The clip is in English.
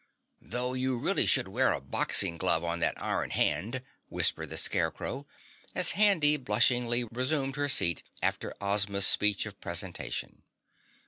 "Though you really should wear a boxing glove on that iron hand," whispered the Scarecrow, as Handy blushingly resumed her seat after Ozma's speech of presentation.